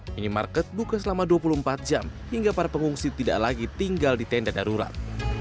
minimarket buka selama dua puluh empat jam hingga para pengungsi tidak lagi tinggal di tenda darurat